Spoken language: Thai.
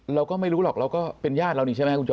เราก็ไม่รู้หรอกเราก็เป็นญาติเรานี่ใช่ไหมคุณโจ